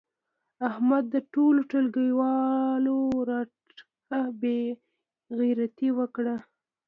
احمد د ټولو کلیوالو رټه بې عزتي وکړه.